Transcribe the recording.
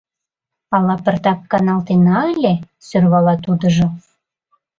— Ала пыртак каналтена ыле... — сӧрвала тудыжо.